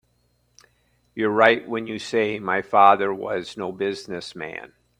You're right when you say my father was no business man.